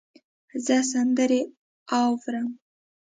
زه سندرې اورم